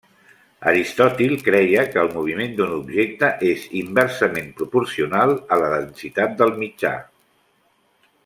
Aristòtil creia que el moviment d'un objecte és inversament proporcional a la densitat del mitjà.